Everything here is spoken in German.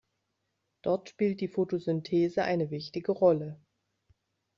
Dort spielt die Fotosynthese eine wichtige Rolle.